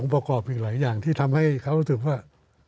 ประกอบอีกหลายอย่างที่ทำให้เขารู้สึกว่า